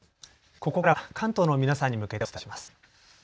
ここからは関東の皆さんに向けてお伝えします。